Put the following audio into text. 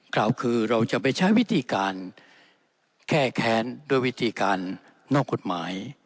ข่าวคือเราจะไปใช้วิธีการแก้แค้นด้วยวิธีการนอกกฎหมาย